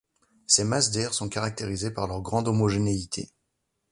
Ces masses d'air sont caractérisées par leur grande homogénéité.